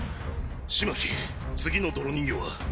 風巻次の泥人形は？